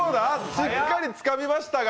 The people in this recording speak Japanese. しっかりつかみましたが。